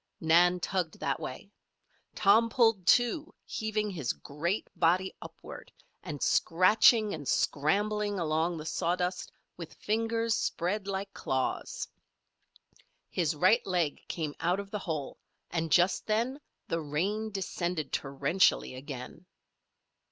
Nan tugged that way. Tom pulled, too, heaving his great body upward, and scratching and scrambling along the sawdust with fingers spread like claws. His right leg came out of the hole, and just then the rain descended torrentially again.